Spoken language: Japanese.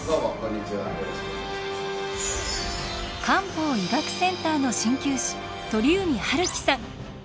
漢方医学センターの鍼灸師鳥海春樹さん。